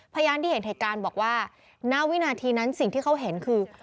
พยานที่เห็นเหตุการณ์บอกว่าณวินาทีนั้นสิ่งที่เขาเห็นคือ